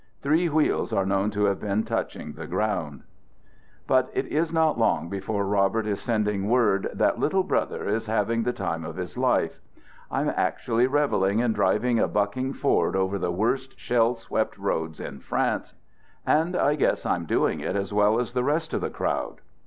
Three wheels are known to have been touching the ground.' 99 But it is not long before Robert is sending word that " Little Brother is having the time of his life ! 165 166 "THE GOOD SOLDIER I'm actually reveling in driving a bucking Ford over the worst shell swept roads in France, and I guess I'm doing it as well as the rest of the crowd."